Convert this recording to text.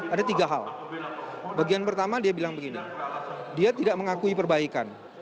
ada tiga hal bagian pertama dia bilang begini dia tidak mengakui perbaikan